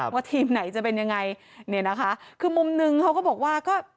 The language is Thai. ว่าทีมไหนจะเป็นยังไงคือมุมนึงเขาก็บอกว่า